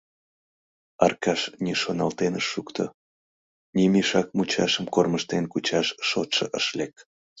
Аркаш ни шоналтен ыш шукто, ни мешак мучашым кормыжтен кучаш шотшо ыш лек.